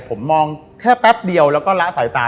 ผมมองแค่แป๊บเดียวแล้วก็ละสายตา